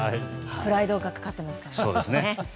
プライドがかかってますからね。